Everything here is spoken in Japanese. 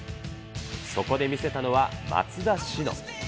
そこで見せたのは、松田詩野。